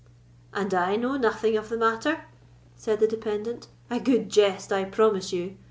"And I know nothing of the matter?" said the dependant—"a good jest, I promise you!